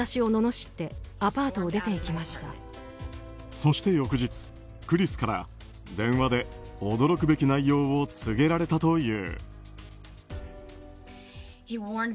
そして翌日、クリスから電話で驚くべき内容を告げられたという。